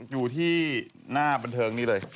อยู่ที่หน้าบันเทิงนี้เลย